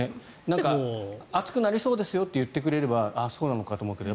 暑くなりそうですよと言ってくれればああ、そうなのかと思うけど